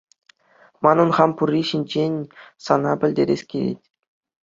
Манӑн хам пурри ҫинчен сана пӗлтерес килет.